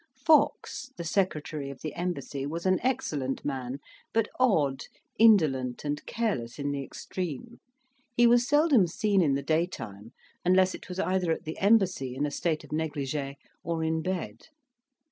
Fox, the secretary of the embassy, was an excellent man, but odd, indolent, and careless in the extreme; he was seldom seen in the daytime, unless it was either at the embassy in a state of negligee, or in bed.